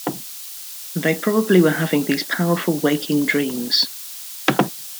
They probably were having these powerful waking dreams.